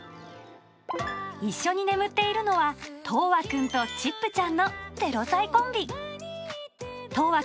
一緒に眠っているのは、とうわくんとチップちゃんの０歳コンビ。